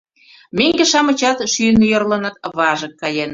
Меҥге-шамычат шӱйын йӧрлыныт, важык каеныт.